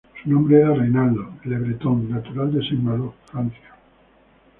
Su nombre era Reinaldo Le Breton, natural de Saint-Malo, Francia.